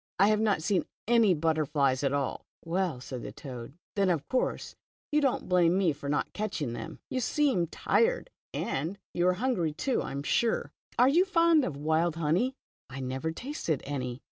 I have not seen any butterflies at all." Well," said the toad, "then of course you don't blame me for not catching them. You seem tired, and you are hungry too, I am sure. Are you fond of wild honey?" " I never tasted any."